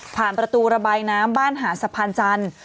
ประตูระบายน้ำบ้านหาดสะพานจันทร์